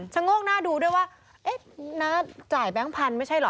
โงกหน้าดูด้วยว่าเอ๊ะน้าจ่ายแบงค์พันธุ์ไม่ใช่เหรอ